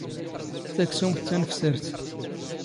ⵜⴰⴽⵙⵓⵎⵜ ⵜⴰⵏⴼⵙⴰⵔⵜ.